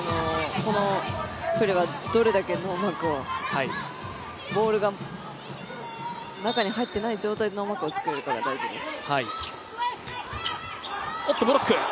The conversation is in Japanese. どれだけボールが中に入っていない状態で、ノーマークを作れるかが大事です。